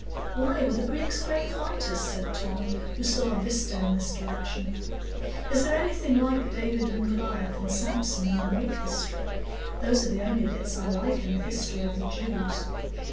"Why, were the Greeks great fighters?" said Tom, who saw a vista in this direction. "Is there anything like David and Goliath and Samson in the Greek history? Those are the only bits I like in the history of the Jews."